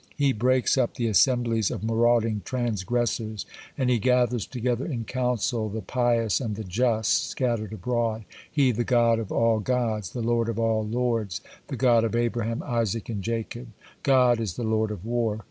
He breaks up the assemblies of marauding transgressors, and He gathers together in council the pious and the just scattered abroad, He the God of all gods, the Lord of all lords, the God of Abraham, Isaac, and Jacob. God is the Lord of war!